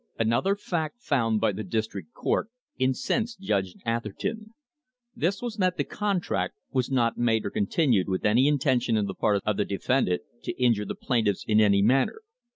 Another fact found by the District Court incensed Judge Atherton. This was that the contract "was not made or con tinued with any intention on the part of the defendant to injure the plaintiffs in any manner."